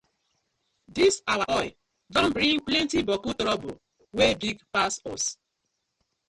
Dis our oil don bring plenti boku toruble wey big pass us.